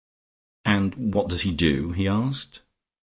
"And what does he do?" he asked.